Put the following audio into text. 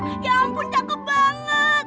ya ampun cakep banget